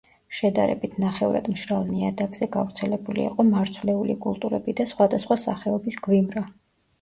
შედარებით ნახევრად მშრალ ნიადაგზე გავრცელებული იყო მარცვლეული კულტურები და სხვადასხვა სახეობის გვიმრა.